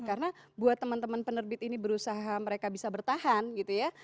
karena buat teman teman penerbit ini berusaha mereka bisa bertahan gitu ya